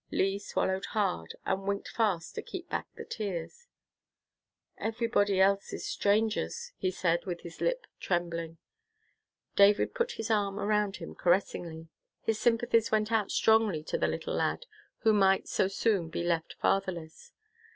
Lee swallowed hard, and winked fast to keep back the tears. "Everybody else is strangers," he said, with his lip trembling. David put his arm around him caressingly. His sympathies went out strongly to the little lad, who might so soon be left fatherless.